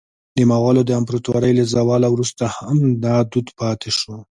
د مغولو د امپراطورۍ له زواله وروسته هم دا دود پاتې شو.